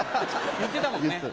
言ってたもんね。